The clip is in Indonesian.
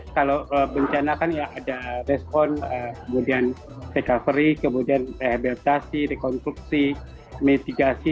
kalau bencana kan ya ada respon kemudian recovery kemudian rehabilitasi rekonstruksi mitigasi